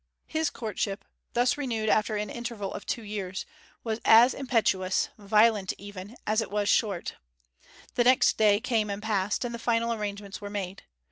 His courtship, thus renewed after an interval of two years, was as impetuous, violent even, as it was short. The next day came and passed, and the final arrangements were made.